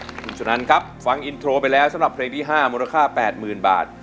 คุณสุนันครับฟังอินโทรไปแล้วสำหรับเพลงที่๕มูลค่า๘๐๐๐บาท